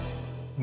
何？